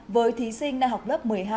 với thí sinh na học lớp một mươi hai